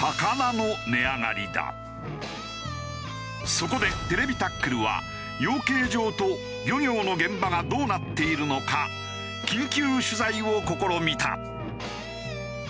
そこで『ＴＶタックル』は養鶏場と漁業の現場がどうなっているのか緊急取材を試みた。